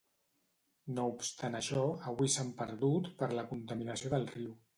No obstant això, avui s'han perdut per la contaminació del riu.